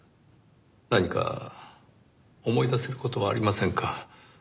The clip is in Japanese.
何か思い出せる事はありませんか？